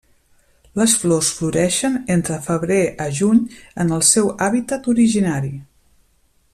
Les flors floreixen entre febrer a juny en el seu hàbitat originari.